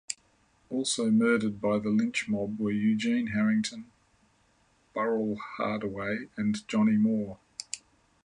Also murdered by the lynch mob were Eugene Harrington, Burrell Hardaway, and Johnie Moore.